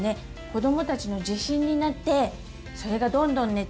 子どもたちの自信になってそれがどんどんね